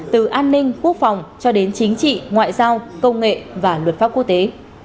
từ an ninh quốc phòng cho đến chính trị ngoại giao công nghệ và luật pháp quốc tế